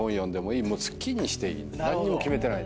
何にも決めてない。